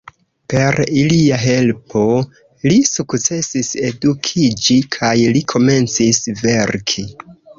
Per ilia helpo li sukcesis edukiĝi, kaj li komencis verki.